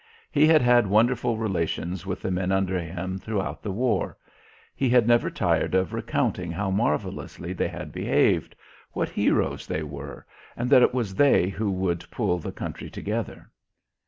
He had had wonderful relations with the men under him throughout the war. He had never tired of recounting how marvelously they had behaved, what heroes they were, and that it was they who would pull the country together.